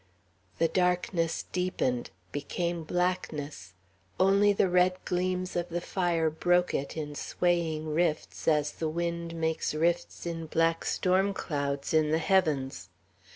The darkness deepened, became blackness; only the red gleams from the fire broke it, in swaying rifts, as the wind makes rifts in black storm clouds in the heavens.